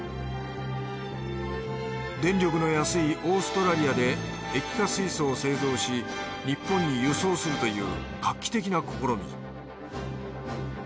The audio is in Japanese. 電力の安いオーストラリアで液化水素を製造し日本に輸送するという画期的な試み